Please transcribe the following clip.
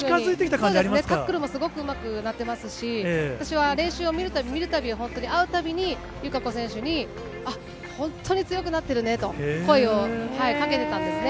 そうですね、タックルもすごくうまくなっていますし、私は練習を見るたび、見るたび、本当に会うたびに、友香子選手に、本当に強くなってるねと、声をかけていたんですね。